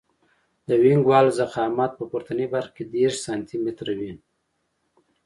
د وینګ وال ضخامت په پورتنۍ برخه کې دېرش سانتي متره وي